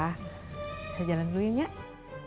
bisa jalan dulu ya nyak